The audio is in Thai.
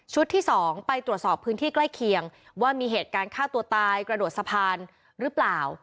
ที่๒ไปตรวจสอบพื้นที่ใกล้เคียงว่ามีเหตุการณ์ฆ่าตัวตายกระโดดสะพานหรือเปล่า